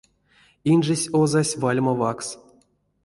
Инжесь озась вальма ваксс.